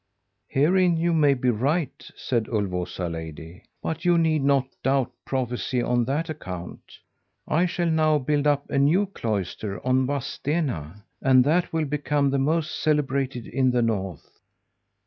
"'Herein you may be right,' said Ulvåsa lady, 'but you need not doubt prophecy on that account. I shall now build up a new cloister on Vadstena, and that will become the most celebrated in the North.